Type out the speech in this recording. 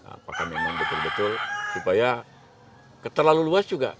apakah memang betul betul supaya terlalu luas juga